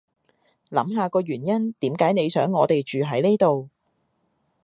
諗下個原因點解你想我哋住喺呢度